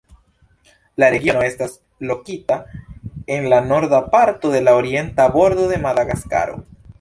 La regiono estas lokita en la norda parto de la orienta bordo de Madagaskaro.